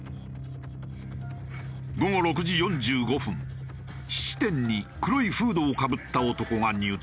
午後６時４５分質店に黒いフードをかぶった男が入店。